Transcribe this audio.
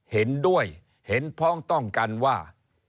เห็นด้วยเห็นพ้องต้องกันว่า